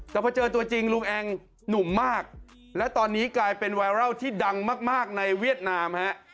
แต่พอเจอตัวจริงลุงแองหนุ่มมากและตอนนี้กลายเป็นไวรัลที่ดังมากในเวียดนามฮะ